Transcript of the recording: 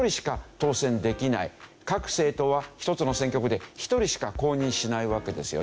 各政党は一つの選挙区で１人しか公認しないわけですよね。